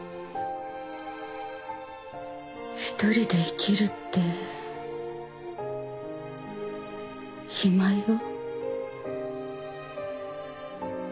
独りで生きるって暇よ。